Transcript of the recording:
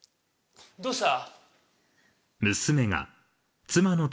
どうした？